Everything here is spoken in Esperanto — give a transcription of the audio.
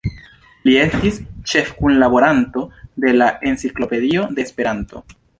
Li estis ĉefkunlaboranto de la Enciklopedio de Esperanto.